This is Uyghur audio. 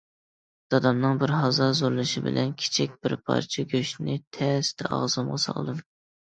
دادامنىڭ بىر ھازا زورلىشى بىلەن كىچىك بىر پارچە گۆشنى تەستە ئاغزىمغا سالدىم.